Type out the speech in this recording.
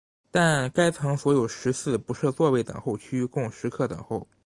但该层所有食肆不设座位等候区供食客等候。